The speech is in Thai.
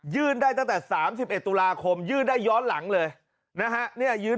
ได้ตั้งแต่๓๑ตุลาคมยื่นได้ย้อนหลังเลยนะฮะ